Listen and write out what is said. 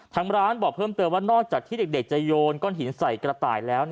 ทางร้านบอกเพิ่มเติมว่านอกจากที่เด็กจะโยนก้อนหินใส่กระต่ายแล้ว